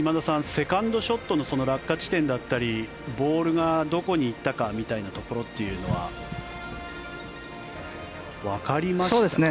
セカンドショットの落下地点だったりボールがどこに行ったかみたいなところというのはわかりましたか？